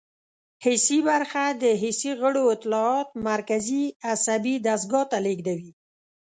حسي برخه د حسي غړو اطلاعات مرکزي عصبي دستګاه ته لیږدوي.